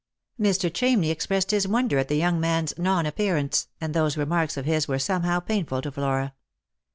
Mr. Chamney expressed his wonder at the young man's non appearance, and those remarks of his were somehow painful to Flora.